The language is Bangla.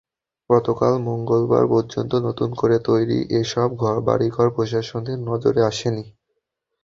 গতকাল মঙ্গলবার পর্যন্ত নতুন করে তৈরি এসব বাড়িঘর প্রশাসনের নজরে আসেনি।